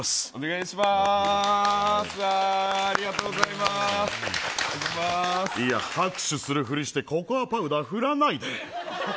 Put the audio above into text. いや拍手するふりしてココアパウダー振らないで。